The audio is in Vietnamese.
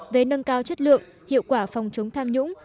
về nâng cao chất lượng hiệu quả phòng chống tham nhũng